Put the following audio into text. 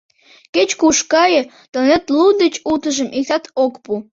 Кеч-куш кайы, тыланет лу деч утыжым иктат ок пу.